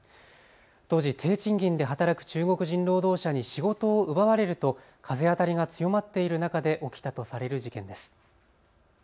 当時、低賃金で働く中国人労働者に仕事を奪われると風当たりが強まっている中で起きたとされる事件です。